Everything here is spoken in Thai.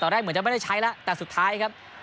แรกเหมือนจะไม่ได้ใช้แล้วแต่สุดท้ายครับ